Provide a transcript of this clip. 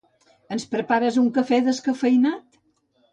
Ens prepares un cafè descafeïnat?